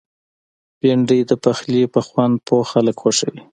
بېنډۍ د پخلي په خوند پوه خلک خوښوي